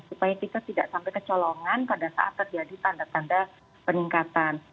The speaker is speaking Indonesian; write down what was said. supaya kita tidak sampai kecolongan pada saat terjadi tanda tanda peningkatan